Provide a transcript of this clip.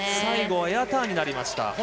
最後はエアターンになりました。